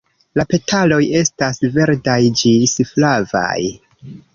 La petaloj estas verdaj ĝis flavaj.